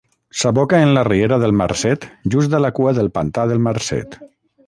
S'aboca en la riera del Marcet just a la cua del Pantà del Marcet.